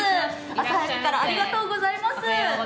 朝早くからありがとうございます。